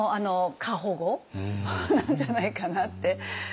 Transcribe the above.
過保護なんじゃないかなって。